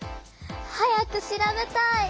早く調べたい。